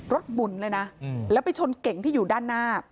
หมุนเลยนะแล้วไปชนเก่งที่อยู่ด้านหน้า